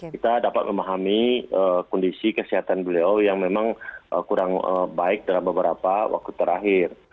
kita dapat memahami kondisi kesehatan beliau yang memang kurang baik dalam beberapa waktu terakhir